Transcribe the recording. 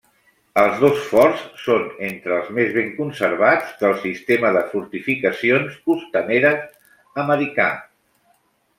Els dos forts són entre els més ben conservats del sistema de fortificacions costaneres americà.